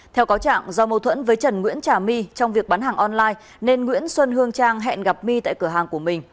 theo cáo trạng do mâu thuẫn với trần nguyễn trà my trong việc bán hàng online nên nguyễn xuân hương trang hẹn gặp my tại cửa hàng của mình